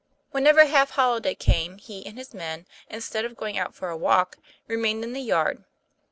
Whenever half holiday came he and his men, in stead of going out for a walk, remained in the yard.